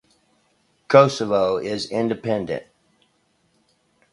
Kosovo is independent.